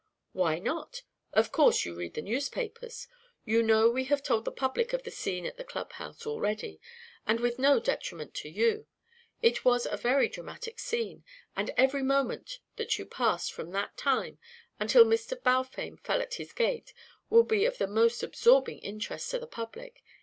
"Why not? Of course you read the newspapers. You know we have told the public of the scene at the clubhouse already and with no detriment to you! It was a very dramatic scene, and every moment that you passed from that time until Mr. Balfame fell at his gate will be of the most absorbing interest to the public.